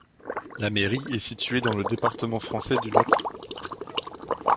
La mairie est située dans le département français du Lot.